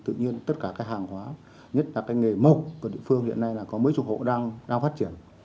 tự nhiên tất cả các hàng hóa nhất là cái nghề mộc của địa phương hiện nay là có mấy chục hộ đang phát triển